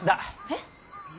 えっ。